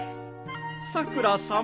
・さくらさん。